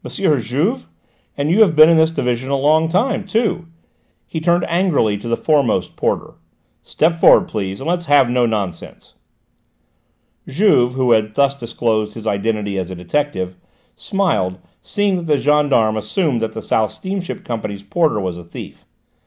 Juve! And you have been in this division a long time too!" He turned angrily to the foremost porter. "Step forward, please, and let's have no nonsense!" Juve, who had thus disclosed his identity as a detective, smiled, seeing that the gendarme assumed that the South Steamship Company's porter was a thief.